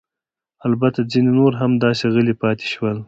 البته ځیني نور همداسې غلي پاتې ول.